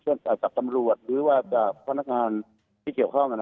กับตำรวจหรือว่าจากพนักงานที่เกี่ยวข้อง